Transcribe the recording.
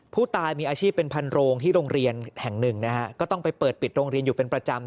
ผู้ตายมีอาชีพเป็นพันโรงที่โรงเรียนแห่งหนึ่งนะฮะก็ต้องไปเปิดปิดโรงเรียนอยู่เป็นประจำ